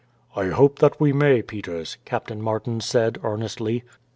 "I hope that we may, Peters," Captain Martin said earnestly.